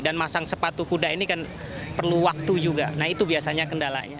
dan masang sepatu kuda ini kan perlu waktu juga nah itu biasanya kendalanya